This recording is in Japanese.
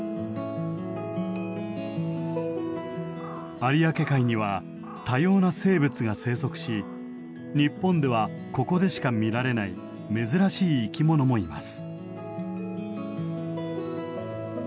有明海には多様な生物が生息し日本ではここでしか見られない珍しい生き物もいます。